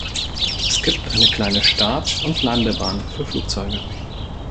Es gibt eine kleine Start- und Landebahn für Flugzeuge.